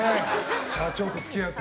社長と付き合うって。